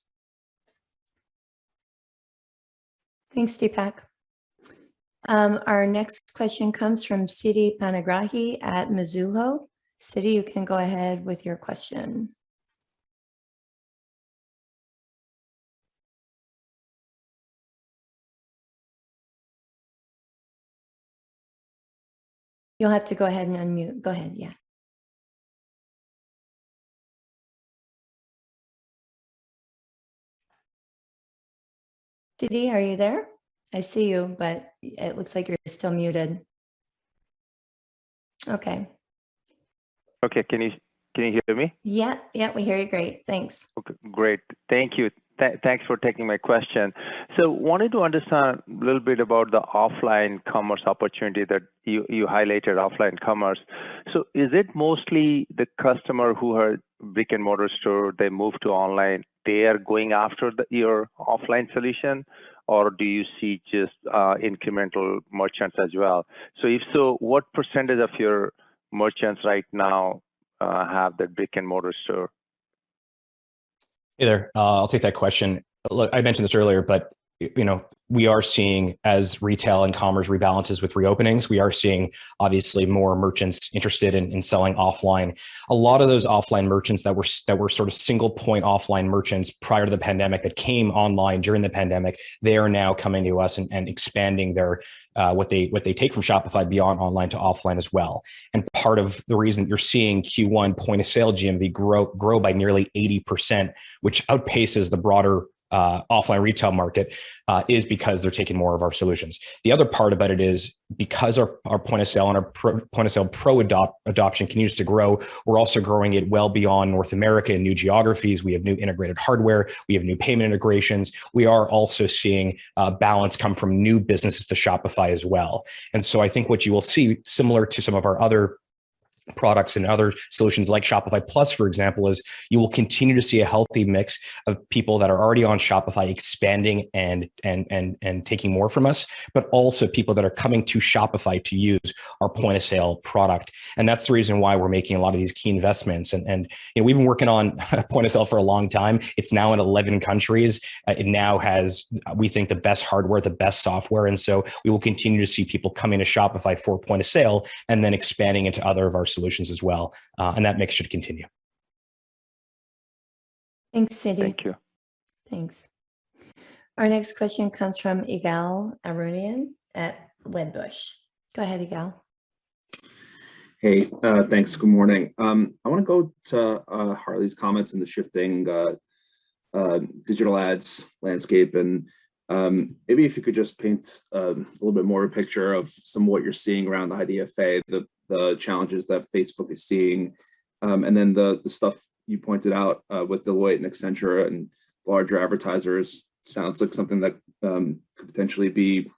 Thanks, Deepak. Our next question comes from Siti Panigrahi at Mizuho. Siti, you can go ahead with your question. You'll have to go ahead and unmute. Go ahead, yeah. Siti, are you there? I see you, but it looks like you're still muted. Okay. Okay. Can you hear me? Yeah. Yeah, we hear you great, thanks. Okay, great. Thank you. Thanks for taking my question. Wanted to understand a little bit about the offline commerce opportunity that you highlighted, offline commerce. Is it mostly the customer who had brick-and-mortar store, they moved to online, they are going after your offline solution, or do you see just incremental merchants as well? If so, what percentage of your merchants right now have the brick-and-mortar store? Hey there. I'll take that question. Look, I mentioned this earlier, but you know, we are seeing, as retail and commerce rebalances with reopenings, we are seeing obviously more merchants interested in selling offline. A lot of those offline merchants that were sort of single point offline merchants prior to the pandemic that came online during the pandemic, they are now coming to us and expanding their what they take from Shopify beyond online to offline as well. Part of the reason you're seeing Q1 point of sale GMV grow by nearly 80%, which outpaces the broader offline retail market, is because they're taking more of our solutions. The other part about it is because our point of sale and our point of sale pro adoption continues to grow, we're also growing it well beyond North America in new geographies. We have new integrated hardware. We have new payment integrations. We are also seeing balance come from new businesses to Shopify as well. I think what you will see, similar to some of our other products and other solutions, like Shopify Plus, for example, is you will continue to see a healthy mix of people that are already on Shopify expanding and taking more from us, but also people that are coming to Shopify to use our point of sale product, and that's the reason why we're making a lot of these key investments. You know, we've been working on point of sale for a long time. It's now in 11 countries. It now has, we think, the best hardware, the best software, and so we will continue to see people come into Shopify for point of sale, and then expanding into other of our solutions as well, and that mix should continue. Thanks, Siti. Thank you. Thanks. Our next question comes from Ygal Arounian at Wedbush. Go ahead, Ygal. Hey. Thanks. Good morning. I wanna go to Harley's comments in the shifting digital ads landscape, and maybe if you could just paint a little bit more a picture of some of what you're seeing around IDFA, the challenges that Facebook is seeing, and then the stuff you pointed out with Deloitte and Accenture and larger advertisers. Sounds like something that could potentially be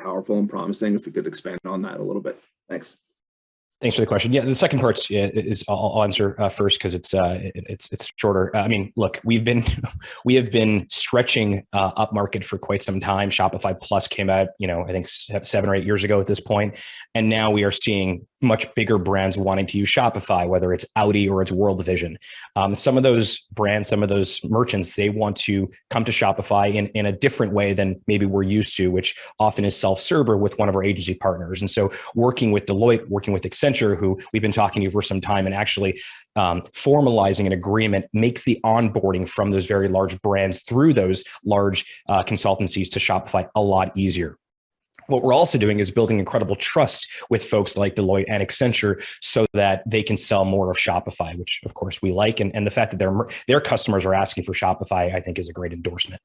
powerful and promising, if you could expand on that a little bit. Thanks. Thanks for the question. Yeah, the second part is, I'll answer first 'cause it's shorter. I mean, look, we've been stretching upmarket for quite some time. Shopify Plus came out, you know, I think seven or eight years ago at this point, and now we are seeing much bigger brands wanting to use Shopify, whether it's Audi or it's World Vision. Some of those brands, some of those merchants, they want to come to Shopify in a different way than maybe we're used to, which often is self-serve with one of our agency partners. Working with Deloitte, working with Accenture, who we've been talking to for some time, and actually formalizing an agreement makes the onboarding from those very large brands through those large consultancies to Shopify a lot easier. What we're also doing is building incredible trust with folks like Deloitte and Accenture so that they can sell more of Shopify, which of course we like. The fact that their customers are asking for Shopify I think is a great endorsement.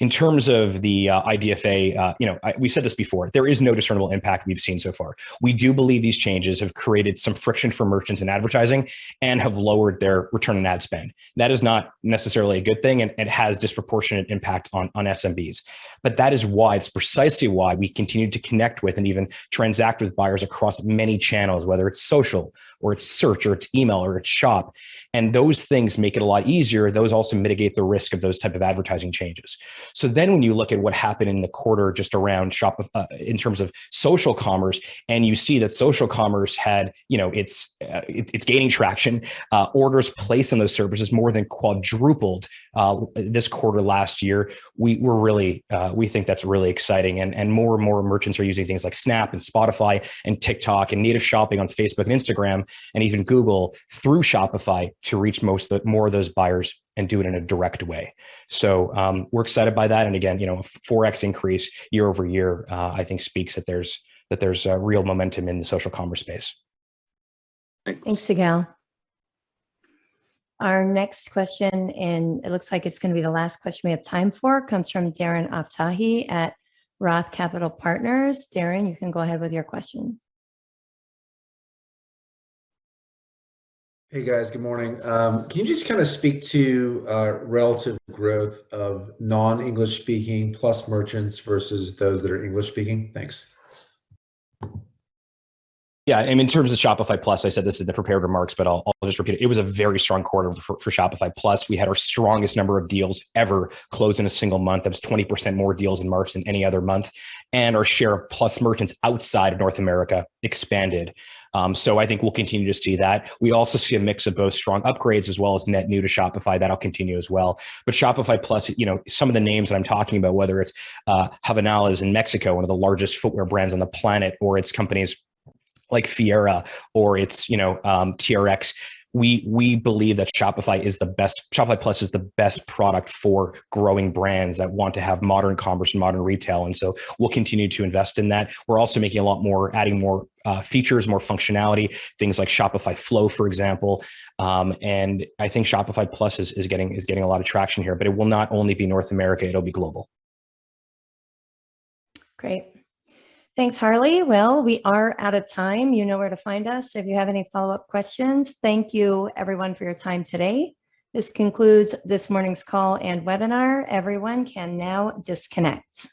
In terms of the IDFA, you know, we've said this before. There is no discernible impact we've seen so far. We do believe these changes have created some friction for merchants in advertising and have lowered their return on ad spend. That is not necessarily a good thing and has disproportionate impact on SMBs. That is why, it's precisely why we continue to connect with and even transact with buyers across many channels, whether it's social or it's search or it's email or it's shop. Those things make it a lot easier. Those also mitigate the risk of those type of advertising changes. When you look at what happened in the quarter just around Shopify in terms of social commerce, and you see that social commerce had, you know, it's gaining traction. Orders placed on those services more than quadrupled this quarter last year. We think that's really exciting, and more and more merchants are using things like Snap and Spotify and TikTok and native shopping on Facebook and Instagram, and even Google through Shopify to reach more of those buyers and do it in a direct way. We're excited by that, and again, you know, 4X increase year-over-year, I think speaks that there's real momentum in the social commerce space. Thanks. Thanks, Ygal. Our next question, and it looks like it's gonna be the last question we have time for, comes from Darren Aftahi at Roth Capital Partners. Darren, you can go ahead with your question. Hey, guys. Good morning. Can you just kinda speak to relative growth of non-English-speaking Plus merchants versus those that are English-speaking? Thanks. Yeah, in terms of Shopify Plus, I said this in the prepared remarks, but I'll just repeat it. It was a very strong quarter for Shopify Plus. We had our strongest number of deals ever closed in a single month. That was 20% more deals in March than any other month. Our share of Plus merchants outside of North America expanded. I think we'll continue to see that. We also see a mix of both strong upgrades as well as net new to Shopify. That'll continue as well. Shopify Plus, you know, some of the names that I'm talking about, whether it's Havaianas in Mexico, one of the largest footwear brands on the planet, or it's companies like Fièra, or it's, you know, TRX, we believe that Shopify is the best, Shopify Plus is the best product for growing brands that want to have modern commerce and modern retail. We'll continue to invest in that. We're also making a lot more, adding more, features, more functionality, things like Shopify Flow, for example. I think Shopify Plus is getting a lot of traction here, but it will not only be North America. It'll be global. Great. Thanks, Harley. Well, we are out of time. You know where to find us if you have any follow-up questions. Thank you, everyone, for your time today. This concludes this morning's call and webinar. Everyone can now disconnect.